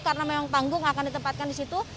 karena memang panggung akan ditempatkan di situ